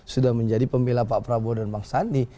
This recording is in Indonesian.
sudah menjadi pembela pak prabowo dan bang sandi